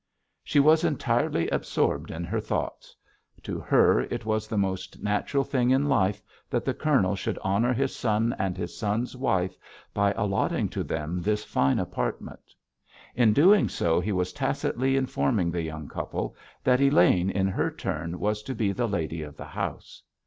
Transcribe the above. She was entirely absorbed in her thoughts. To her it was the most natural thing in life that the Colonel should honour his son and his son's wife by allotting to them this fine apartment. In doing so he was tacitly informing the young couple that Elaine in her turn was to be the lady of the house.